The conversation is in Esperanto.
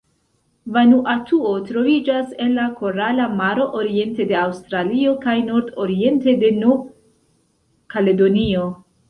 Vanuatuo troviĝas en la Korala Maro, oriente de Aŭstralio kaj nordoriente de Nov-Kaledonio.